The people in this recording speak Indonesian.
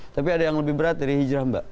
tapi ada yang lebih berat dari hijrah mbak